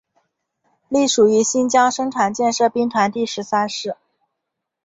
隶属于新疆生产建设兵团第十三师。